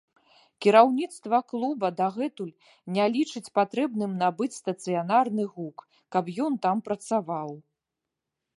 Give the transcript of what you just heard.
Кіраўніцтва клуба дагэтуль не лічыць патрэбным набыць стацыянарны гук, каб ён там працаваў.